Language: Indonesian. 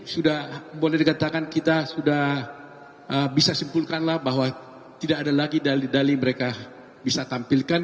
sudah boleh dikatakan kita sudah bisa simpulkanlah bahwa tidak ada lagi dalil dali yang mereka bisa tampilkan